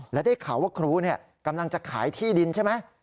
และได้ข่าวว่าครูกำลังจะขายที่ดินใช่ไหม